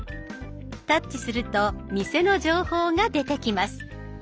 タッチすると店の情報が出てきます。